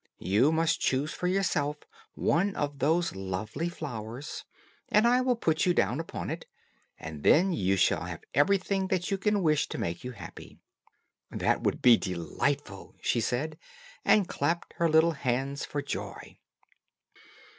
You must choose for yourself one of those lovely flowers, and I will put you down upon it, and then you shall have everything that you can wish to make you happy." "That will be delightful," she said, and clapped her little hands for joy.